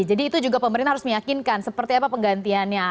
jadi itu juga pemerintah harus meyakinkan seperti apa penggantiannya